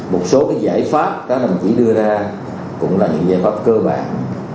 một số cái giải pháp đó đồng chí đưa ra cũng là những giải pháp cơ bản